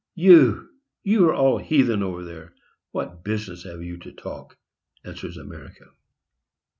"You! you are all heathen over there,—what business have you to talk?" answers America.